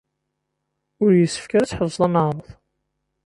Ur yessefk ara ad tḥebseḍ aneɛruḍ.